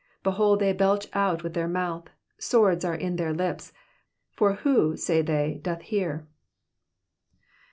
7 Behold, they belch out of their mouth : swords are in their lips : for who, say they^ doth hear